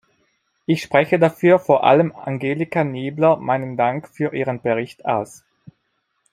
Ich spreche dafür vor allem Angelika Niebler meinen Dank für ihren Bericht aus.